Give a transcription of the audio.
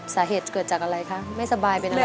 สาเหตุเกิดจากอะไรคะไม่สบายเป็นอะไร